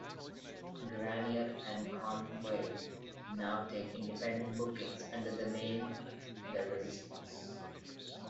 Grenier and Conway now take independent bookings, under the name "The Resistance".